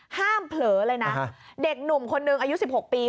ห้ามเผลอเลยนะฮะเด็กหนุ่มคนนึงอายุสิบหกปี